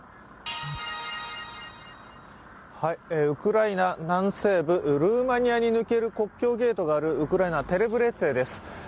ウクライナ、南西部ルーマニアに抜ける国境ゲートがあるウクライナ、テレブレツェです。